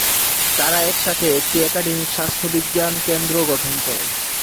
তারা একসাথে একটি একাডেমিক স্বাস্থ্য বিজ্ঞান কেন্দ্র গঠন করে।